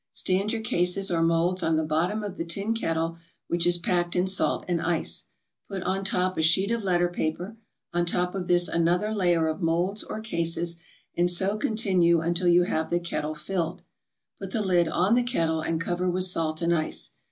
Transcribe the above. Stand your cases or molds on the bottom of the tin kettle, which is packed in salt and ice. Put on top a sheet of letter paper, on top of this another other layer of molds or cases, and so continue until you have the kettle filled. Put the lid on the kettle and cover with salt and ice.